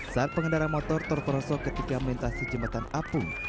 saat pengendara motor terperosok ketika melintasi jembatan apung